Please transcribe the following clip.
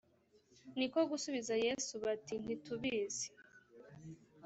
Ni ko gusubiza Yesu bati “Ntitubizi.”